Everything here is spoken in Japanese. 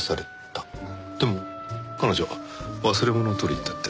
でも彼女忘れ物を取りに行ったって。